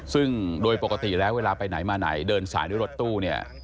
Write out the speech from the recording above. ซึ่งโดยปกติแล้วเวลาไปไหนมาไหนเดินสายด้วยรถตู้เนี่ย